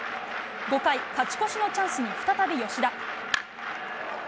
５回、勝ち越しのチャンスに再び吉田。